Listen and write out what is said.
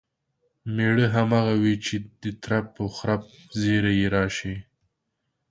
مېړه همغه وي چې د ترپ و خرپ زیري یې راشي.